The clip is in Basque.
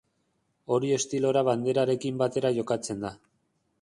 Orio Estilora banderarekin batera jokatzen da.